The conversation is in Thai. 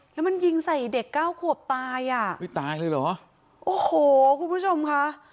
แล้วมันยิงใส่เด็กเก้าขวบตายอ่ะอุ้ยตายเลยเหรอโอ้โหคุณผู้ชมค่ะ